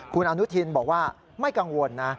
คุณอนุทินบอกว่าไม่กังวลนะ